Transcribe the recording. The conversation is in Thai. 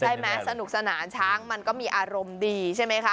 สนุกสนานช้างมันก็มีอารมณ์ดีใช่ไหมคะ